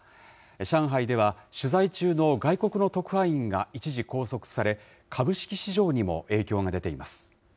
上海では取材中の外国の特派員が一時拘束され、株式市場にも影響が出ています。